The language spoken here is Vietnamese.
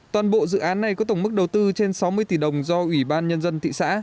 toàn bộ dự án này có tổng mức đầu tư trên sáu mươi tỷ đồng do ủy ban nhân dân thị xã